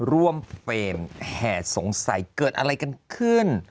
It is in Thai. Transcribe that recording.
ร่วมเฟรมแห่สงสัยเกิดอะไรกันขึ้น